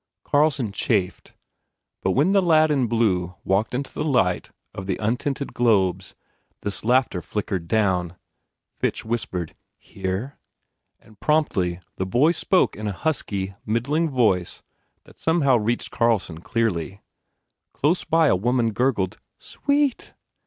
Carlson chafed, but when the lad in blue walked into the light of the untinted globes, this laughter flickered down. Fitch whispered, "Hear?" and promptly the boy spoke in a husky, middling voice that somehow reached Carlson clearly. Close by a woman gurgled, "Sweet!"